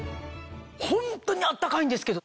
ホントにあったかいんですけど。